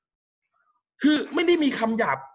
กับการสตรีมเมอร์หรือการทำอะไรอย่างเงี้ย